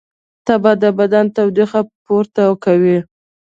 تبې د بدن تودوخه پورته کوي